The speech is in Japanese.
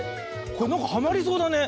これなんかはまりそうだね。